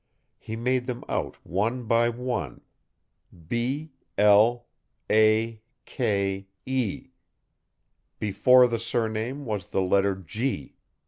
He made them out one by one B l a k e. Before the surname was the letter G.